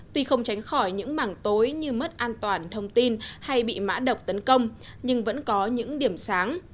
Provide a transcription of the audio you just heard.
tuy không tránh khỏi những mảng tối như mất an toàn thông tin hay bị mã độc tấn công nhưng vẫn có những điểm sáng